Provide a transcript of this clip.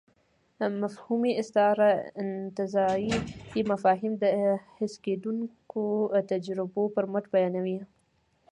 مفهومي استعاره انتزاعي مفاهيم د حس کېدونکو تجربو پر مټ بیانوي.